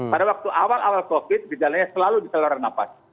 pada waktu awal awal covid gejalanya selalu di saluran nafas